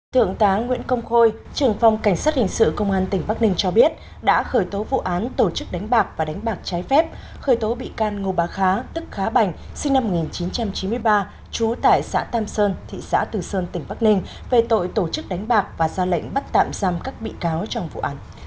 thượng tá nguyễn công khôi trưởng phòng cảnh sát hình sự công an tỉnh bắc ninh cho biết đã khởi tố vụ án tổ chức đánh bạc và đánh bạc trái phép khởi tố bị can ngô bà khá tức khá bành sinh năm một nghìn chín trăm chín mươi ba trú tại xã tam sơn thị xã từ sơn tỉnh bắc ninh về tội tổ chức đánh bạc và ra lệnh bắt tạm giam các bị cáo trong vụ án